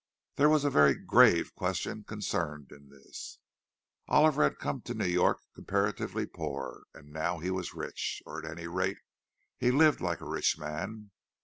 There was a very grave question concerned in this. Oliver had come to New York comparatively poor, and now he was rich—or, at any rate, he lived like a rich man.